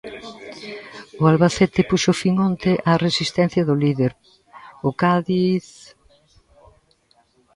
O Albacete puxo fin onte á resistencia do líder, o Cádiz...